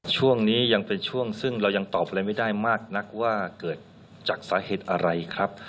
ช่วงนี้ยังเป็นช่วงซึ่งเรายังตอบอะไรไม่ได้มากนักว่าเกิดจากสาเหตุอะไรครับ